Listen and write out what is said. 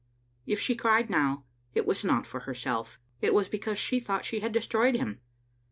If she cried now, it was not for herself ; it was because she thought she had destroyed him.